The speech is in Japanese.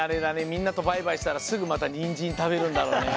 みんなとバイバイしたらすぐまたにんじん食べるんだろうね。